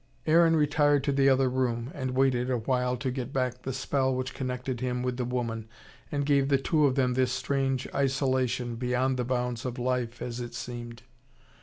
Aaron retired to the other room, and waited awhile, to get back the spell which connected him with the woman, and gave the two of them this strange isolation, beyond the bounds of life, as it seemed.